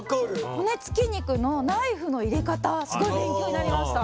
骨つき肉のナイフの入れ方すごい勉強になりました。